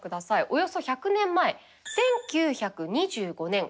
およそ１００年前１９２５年